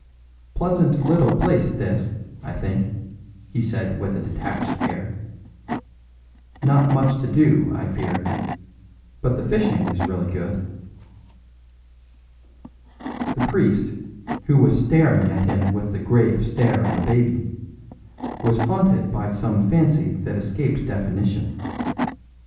"Pleasant little place, this, I think," he said with a detached air. "Not much to do, I fear; but the fishing is really good." The priest, who was staring at him with the grave stare of a baby, was haunted by some fancy that escaped definition.